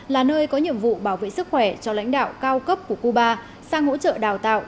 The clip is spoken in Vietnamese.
là nơi có nhiệm vụ bảo vệ sức khỏe cho lãnh đạo cao cấp của cuba sang hỗ trợ đào tạo